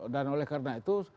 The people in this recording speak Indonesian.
dan oleh karena itu